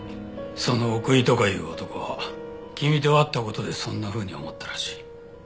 その奥居とかいう男は君と会った事でそんなふうに思ったらしい。